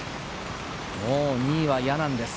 もう２位は嫌なんです。